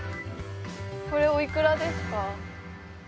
これおいくらですか？